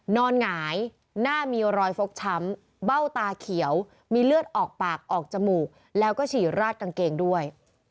หงายหน้ามีรอยฟกช้ำเบ้าตาเขียวมีเลือดออกปากออกจมูกแล้วก็ฉี่ราดกางเกงด้วย